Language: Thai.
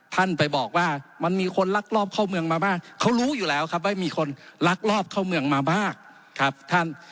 ท่านไปบอกว่ามันมีคนลักลอบเข้าเมืองมาบ้างเขารู้อยู่แล้วครับว่ามีคนลักลอบเข้าเมืองมามากครับท่าน